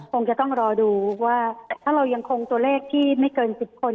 คงจะต้องรอดูว่าถ้าเรายังคงตัวเลขที่ไม่เกิน๑๐คน